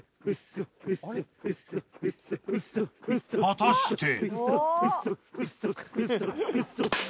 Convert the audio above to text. ［果たして］